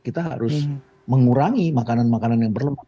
kita harus mengurangi makanan makanan yang berlemak